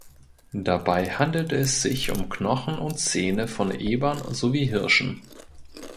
Dabei handelte es sich um Knochen und Zähne von Ebern sowie Hirschen.